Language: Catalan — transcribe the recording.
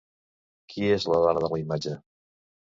Qui és la dona de la imatge?